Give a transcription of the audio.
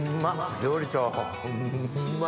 料理長。